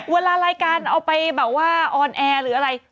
เวลารายการเอาไปแบบว่าออนแอร์หรืออะไร